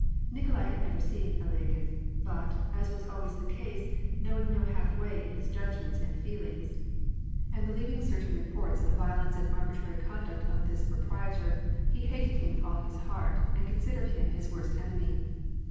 Nikolai had never seen Ilagin ; but, as was always the oase, knowing no half way in his judgments and feelings, and believ WAR AND PEACE. 266 ing certain reports of the violence and arbitrary conduct of this proprietor, he hated him with all his heart, and considered him his worst enemy.